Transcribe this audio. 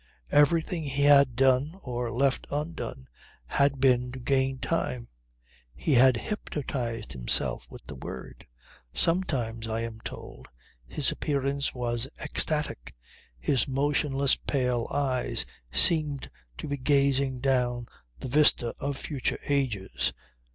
Everything he had done or left undone had been to gain time. He had hypnotized himself with the word. Sometimes, I am told, his appearance was ecstatic, his motionless pale eyes seemed to be gazing down the vista of future ages.